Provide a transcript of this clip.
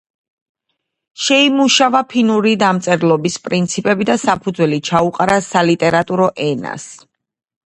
შეიმუშავა ფინური დამწერლობის პრინციპები და საფუძველი ჩაუყარა სალიტერატურო ენას.